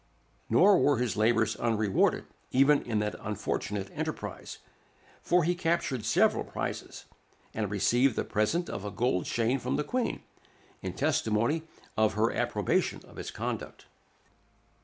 Nor were his labors unrewarded even in that unfortunate enterprise; for he captured several prizes, and received the present of a gold chain from the Queen, in testimony of her approbation of his conduct.